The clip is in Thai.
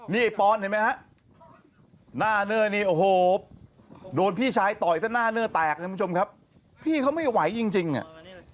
นี่ปอนเห็นไหมฮะหน้าเนอร์นี่โอ้โหโดนพี่ชายต่อยซะหน้าเนื้อแตกเลยคุณผู้ชมครับพี่เขาไม่ไหวจริงเนี่ย